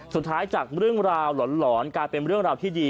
จากเรื่องราวหลอนกลายเป็นเรื่องราวที่ดี